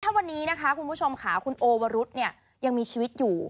ถ้าวันนี้คุณผู้ชมขาคุณโอวรุษยังมีชีวิตอยู่